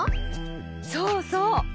そうそう！